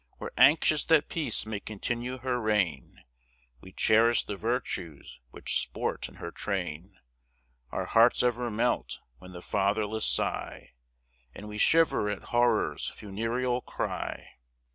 We're anxious that Peace may continue her reign, We cherish the virtues which sport in her train; Our hearts ever melt, when the fatherless sigh, And we shiver at Horrour's funereal cry!